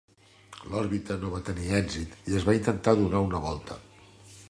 L'òrbita no va tenir èxit i es va intentar donar una volta.